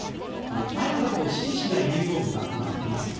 内閣を支持しない理由を見ます。